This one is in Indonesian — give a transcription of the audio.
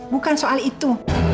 bukan soal itu